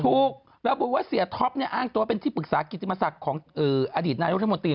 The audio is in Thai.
ระบุว่าเสียท็อปเนี่ยอ้างตัวเป็นที่ปรึกษากิติมศักดิ์ของอดีตนายกรัฐมนตรี